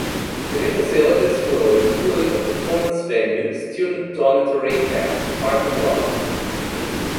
The new facilities will include a performance venue, student dormitory, and parking lots.